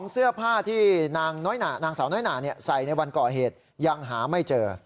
เสื้อผ้าที่นางสาวน้อยหนาใส่ในวันก่อเหตุยังหาไม่เจอ